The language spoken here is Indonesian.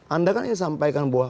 anda kan ingin sampaikan bahwa